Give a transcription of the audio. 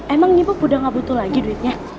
emang ibu udah gak butuh lagi duitnya